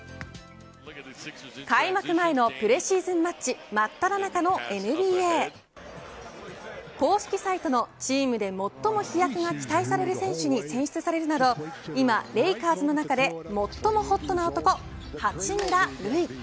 開幕前のプレシーズンマッチ真っただ中のＮＢＡ。公式サイトのチームで最も飛躍が期待される選手に選出されるなど今レイカーズの中で最もホットな男八村塁。